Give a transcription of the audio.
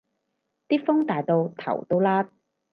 啲風大到頭都甩